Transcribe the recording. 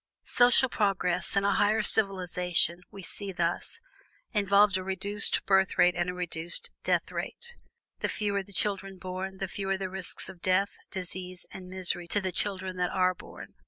"Social progress, and a higher civilization, we thus see, involve A REDUCED BIRTH RATE AND A REDUCED DEATH RATE. The fewer the children born, the fewer the risks of death, disease, and misery to the children that are born.